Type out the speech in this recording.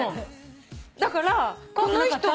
だからこの人も。